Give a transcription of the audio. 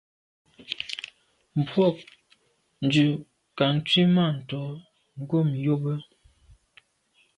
Mbwôg ndù kà nzwimàntô ghom yube.